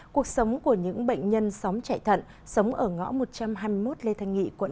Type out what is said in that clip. cuộc sống của những bệnh nhân xóm chạy thận sống ở ngõ một trăm hai mươi một lê thanh nghị